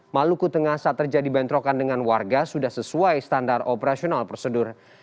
maluku tengah saat terjadi bentrokan dengan warga sudah sesuai standar operasional prosedur